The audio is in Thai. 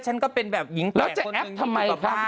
ช่วงทัวร์ลงเชิญค่ะ